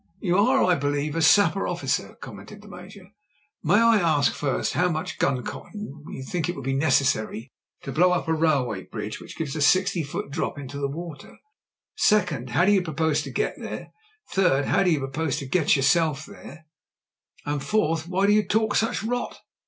"You are, I believe, a sapper officer," commenced the Major. "May I ask first how much gun cotton you think will be necessary to blow up a railway bridge which gives a sixty foot drop into water ; second, how you propose to get it there; third, how you propose to get yourself there; and fourth, why do you talk such rot?"